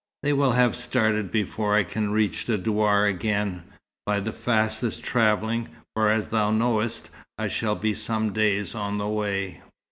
They will have started before I can reach the douar again, by the fastest travelling, for as thou knowest, I should be some days on the way."